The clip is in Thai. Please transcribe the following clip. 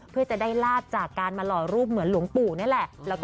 เพื่อจะได้ลาบจากการมาหล่อรูปเหมือนหลวงปู่นี่แหละ